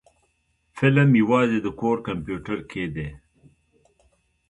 فلم يوازې د کور کمپيوټر کې دی.